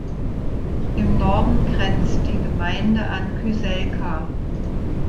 Im Norden grenzt die Gemeinde an Kyselka.